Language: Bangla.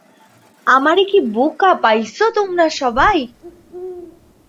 আমারে কি বোকা পাইছো তোমরা সবাই?